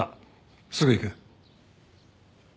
すぐ行く。